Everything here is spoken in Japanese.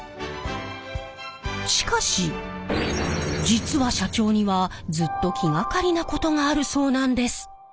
しかし実は社長にはずっと気がかりなことがあるそうなんです。